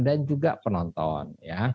dan juga penonton